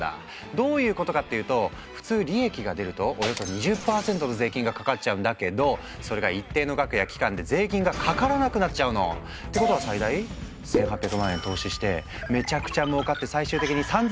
どういうことかっていうと普通利益が出るとおよそ２０％の税金がかかっちゃうんだけどそれが一定の額や期間で税金がかからなくなっちゃうの。ってことは最大１，８００万円投資してめちゃくちゃもうかって最終的に３，０００万円になったとするじゃない？